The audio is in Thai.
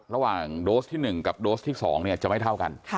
ระหว่างโดสที่๑กับโดสที่๒เนี่ยจะไม่เท่ากัน